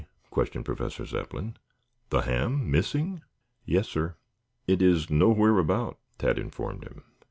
questioned Professor Zepplin. "The ham missing?" "Yes, sir. It is nowhere about," Tad informed him.